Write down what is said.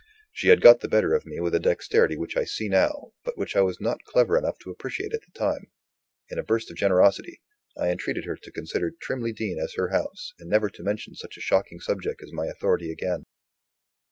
She had got the better of me with a dexterity which I see now, but which I was not clever enough to appreciate at time. In a burst of generosity, I entreated her to consider Trimley Deen as her house, and never to mention such a shocking subject as my authority again.